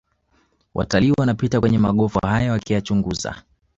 Watalii wanapita kwenye magofu haya wakiyachunguza